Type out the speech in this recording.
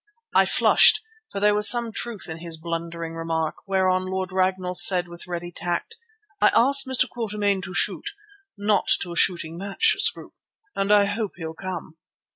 I flushed, for there was some truth in his blundering remark, whereon Lord Ragnall said with ready tact: "I asked Mr. Quatermain to shoot, not to a shooting match, Scroope, and I hope he'll come."